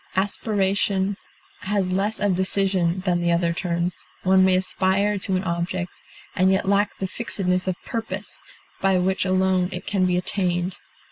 Aspiration has less of decision than the other terms; one may aspire to an object, and yet lack the fixedness of purpose by which alone it can be attained.